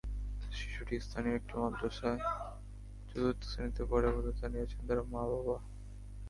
শিশুটি স্থানীয় একটি মাদ্রাসায় চতুর্থ শ্রেণিতে পড়ে বলে জানিয়েছেন তার মা-বাবা।